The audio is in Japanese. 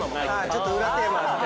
ちょっと裏テーマあって。